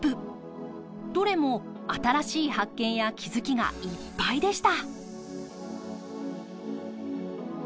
どれも新しい発見や気付きがいっぱいでした。